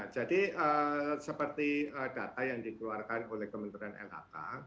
jadi seperti data yang dikeluarkan oleh kementerian lhk